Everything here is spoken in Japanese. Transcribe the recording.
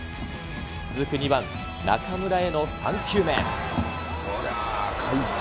続く２番中村への３球目。